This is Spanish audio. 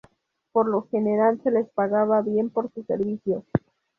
Por lo general se les paga bien por sus servicios.